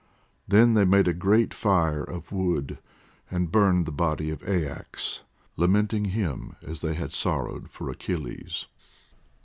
Then they made a great fire of wood, and burned the body of Aias, lamenting him as they had sorrowed for Achilles.